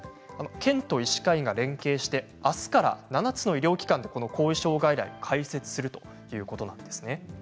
県と医師会が連携してあすから７つの医療機関で後遺症外来を開設するということなんです。